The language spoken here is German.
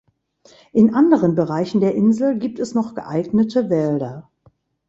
In anderen Bereichen der Insel gibt es noch geeignete Wälder.